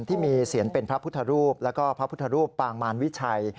ที่มีเสียงเป็นพระพุทธรูปแล้วก็พระพุทธรูปปางมารวิชัย